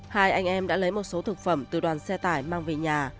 hai anh em đã lấy một số thực phẩm từ đoàn xe tải mang về nhà